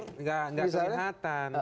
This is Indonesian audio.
enggak enggak kelihatan